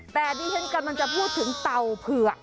แต่นี่เช่นกันมันจะพูดถึงเต่าเผือก